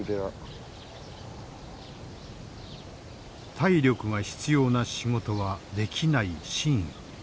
体力が必要な仕事はできない新雨。